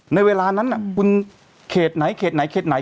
ในเวลานั้นคุณเขตไหนเขตไหนเขตไหน